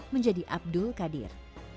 menjadi abdul qadir